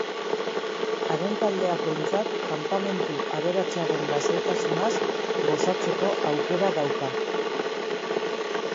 Haren taldeak, behintzat, kanpamentu aberatsaren lasaitasunaz gozatzeko aukera dauka.